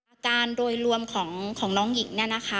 อาการโดยรวมของน้องหญิงเนี่ยนะคะ